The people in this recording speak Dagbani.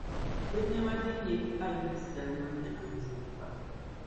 Bɛ nɛma din nyɛ ayili: Salima minii anzinfa.